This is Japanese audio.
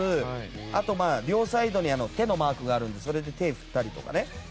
あと、両サイドに手のマークがあるのでそれで手を振ったり。